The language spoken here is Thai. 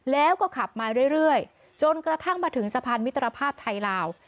แล้วก็ขับมาเรื่อยจนกระทั่งมาถึงสะพานมิตรภาพไทยลาว